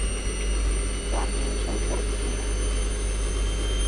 晚年生活凄苦。